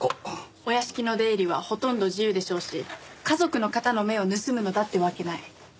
お屋敷の出入りはほとんど自由でしょうし家族の方の目を盗むのだってわけない。